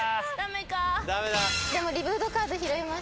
でもリブートカード拾います。